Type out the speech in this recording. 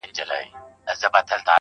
o که زر کلونه ژوند هم ولرمه.